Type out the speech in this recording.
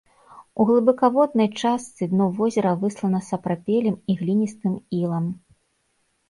У глыбакаводнай частцы дно возера выслана сапрапелем і гліністым ілам.